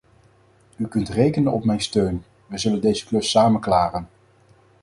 U kunt rekenen op mijn steun, we zullen deze klus samen klaren.